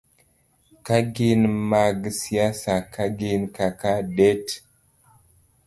Ka ginmag siasa ka gin kaka det-